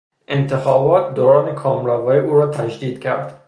انتخابات دوران کامروایی او را تجدید کرد.